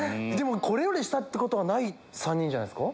これより下ってことはない３人じゃないですか？